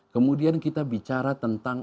kemudian kita bicara tentang